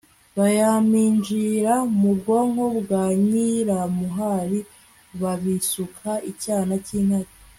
bayaminjira mu bwonko bwa nyiramuhari babisuka icyana cy'intare